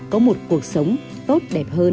có một cuộc sống tốt đẹp hơn